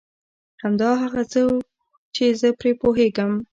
همدا هغه څه و چي زه پرې پوهېږم.